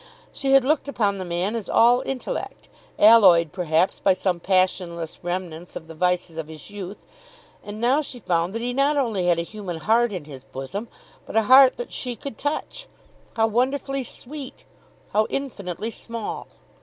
She had looked upon the man as all intellect, alloyed perhaps by some passionless remnants of the vices of his youth; and now she found that he not only had a human heart in his bosom, but a heart that she could touch. How wonderfully sweet! How infinitely small!